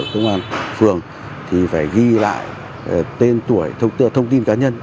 công an phường thì phải ghi lại tên tuổi thông tin cá nhân